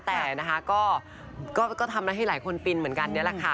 แต่นะคะก็ทำให้หลายคนฟินเหมือนกันนี่แหละค่ะ